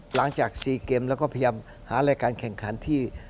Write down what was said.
หลังจาก๔เกมแล้วก็พยายามหารายการแข่งขันที่